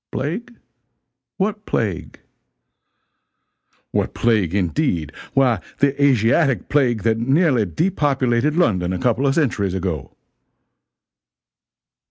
"Plague? What plague?" "What plague, indeed? Why the Asiatic plague that nearly depopulated London a couple of centuries ago."